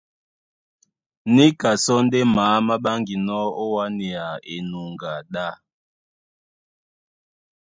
Níka sɔ́ ndé maá má ɓáŋginɔ́ ó wánea enuŋgá ɗá.